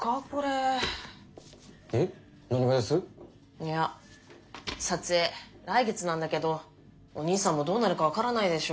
いや撮影来月なんだけどお兄さんもどうなるか分からないでしょ。